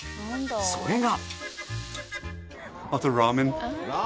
それが。